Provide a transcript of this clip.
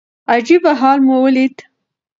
عجيبه حال مو وليد .